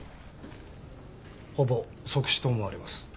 ほぼ即死と思われます。